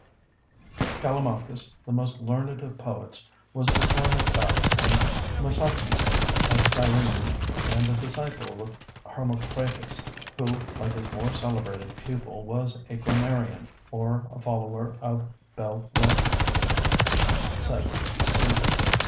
C.) Callimachus, the most learned of poets, was the son of Battus and Mesatme of Cyrene, and a disciple of Hermocrates, who like his more celebrated pupil was a grammarian, or a follower of belles lettres, says Suidas.